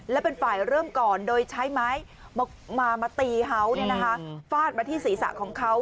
และเป็นฝ่ายเริ่มก่อนโดยใช้ไม้มาตีเขาฟาดมาที่ศีรษะของเขา